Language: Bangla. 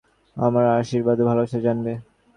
আমার আশীর্বাদ ও ভালবাসা জানবে।